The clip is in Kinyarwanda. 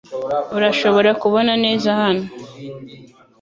Urashobora kubona neza hano.